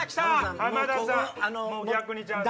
浜田さん逆にチャンス。